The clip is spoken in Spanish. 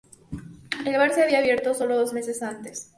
El bar se había abierto sólo dos meses antes.